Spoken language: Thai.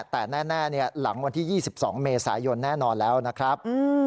แต่แน่หลังวันที่๒๒เมษายนแน่นอนแล้วนะครับ